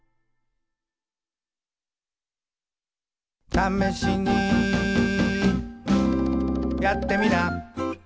「ためしにやってみな」